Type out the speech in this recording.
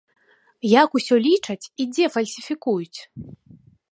Як усё лічаць і дзе фальсіфікуюць?